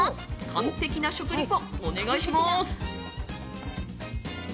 完璧な食リポ、お願いします。